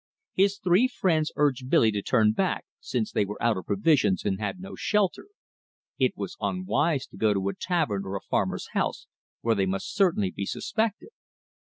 His three friends urged Billy to turn back, since they were out of provisions and had no shelter. It was unwise to go to a tavern or a farmer's house, where they must certainly be suspected.